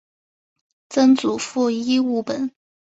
曾祖父尹务本。